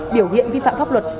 biểu hiện vi phạm pháp luật